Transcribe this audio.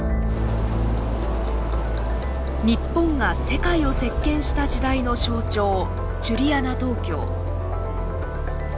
日本が世界を席巻した時代の象徴ジュリアナ東京。